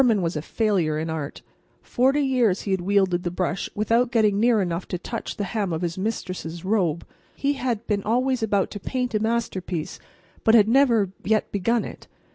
Behrman was a failure in art. Forty years he had wielded the brush without getting near enough to touch the hem of his Mistress's robe. He had been always about to paint a masterpiece, but had never yet begun it.